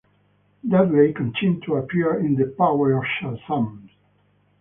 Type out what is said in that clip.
Dudley continued to appear in The Power of Shazam!